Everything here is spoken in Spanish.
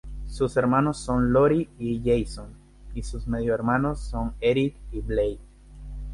Sus hermanos son Lori y Jason, y sus medio-hermanos son Eric y Blake.